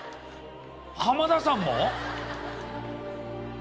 浜田さんも？